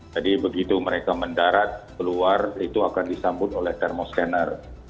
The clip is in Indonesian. jadi begitu mereka mendarat keluar itu akan disambut oleh thermoscaner